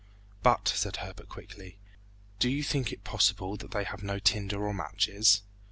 "But," said Herbert quickly, "do you think it possible that they have no tinder or matches?"